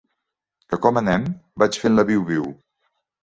Que com anem? Vaig fent la viu-viu.